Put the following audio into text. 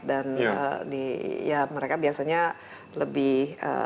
dan mereka biasanya lebih